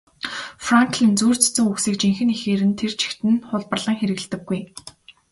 Франклин зүйр цэцэн үгсийг жинхэнэ эхээр нь тэр чигт нь хуулбарлан хэрэглэдэггүй.